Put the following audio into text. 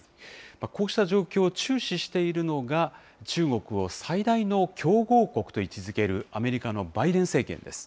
こうした状況を注視しているのが、中国を最大の競合国と位置づけるアメリカのバイデン政権です。